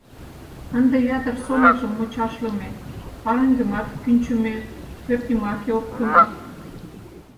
Ынде ятыр сомылжым мучашлыме: пареҥгымат кӱнчымӧ, пӧртйымаке оптымо.